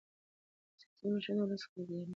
سیاسي مشران د ولس خدمتګاران دي